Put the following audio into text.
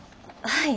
はい。